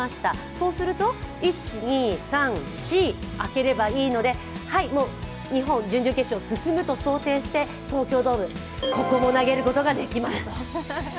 そうすると１、２、３、４、空ければいいのではい、日本、準々決勝に進むと想定して東京ドーム、ここも投げることができますと。